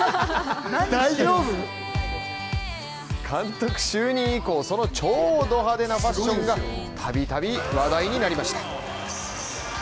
監督就任以降、その超ド派手なファッションがたびたび話題になりました。